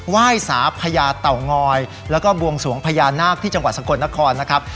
ไหว้สาพญาเต่างอยแล้วก็บวงสวงพญานาคที่จังหวัดสกลนครนะครับ